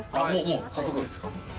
もう早速ですか。